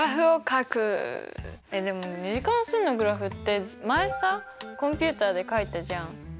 でも２次関数のグラフって前さコンピューターでかいたじゃん。